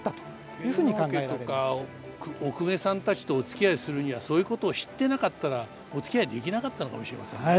天皇家とかお公家さんたちとおつきあいするにはそういうことを知ってなかったらおつきあいできなかったのかもしれませんね。